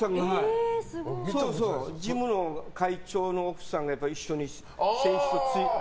ジムの会長の奥さんが一緒に。